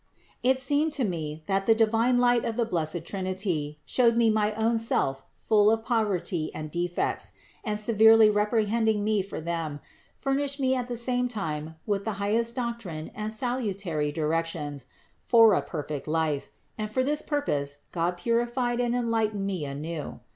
25. It seemed to me, that the divine light of the blessed Trinity showed me my own self full of poverty and defects, and severely reprehending me for them, fur nished me at the same time with the highest doctrine and salutary directions for a perfect life, and for this purpose God purified and enlightened me anew.